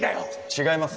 違います